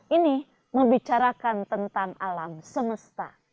ini membicarakan tentang alam semesta